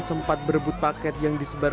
sempat berebut paket yang disebar